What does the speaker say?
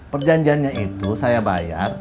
perjanjiannya itu saya bayar